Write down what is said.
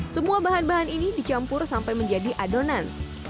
semua bahan bahan ini dicampur sampai menjadi adonan